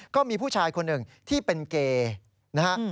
ก็มีผู้ชายคนหนึ่งที่เป็นเกย์นะฮะ